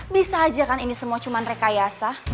bisa aja kan ini semua cuma rekayasa